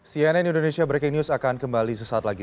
cnn indonesia breaking news akan kembali sesaat lagi